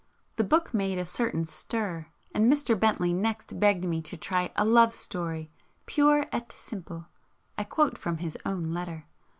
The book made a certain stir, and Mr. Bentley next begged me to try 'a love story, pur et simple' (I quote from his own letter).